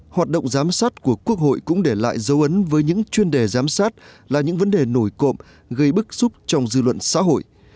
hoạt động giám sát của quốc hội cũng để lại dấu ấn với những chuyên đề giám sát là những vấn đề nổi cộm gây bức xúc trong dư luận xã hội